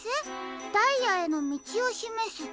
ダイヤへのみちをしめす」。